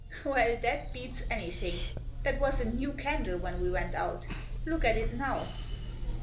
"Well, that beats anything. That was a new candle when we went out ; look at it now."